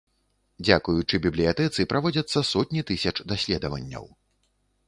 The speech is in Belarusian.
Дзякуючы бібліятэцы праводзяцца сотні тысяч даследаванняў.